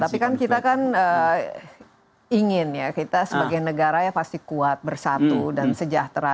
tapi kan kita kan ingin ya kita sebagai negara ya pasti kuat bersatu dan sejahtera